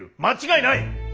間違いない！